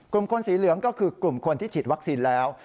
กลุ่มคนสีเหลืองก็คือกลุ่มคนที่ฉีดวัคซีนแล้ว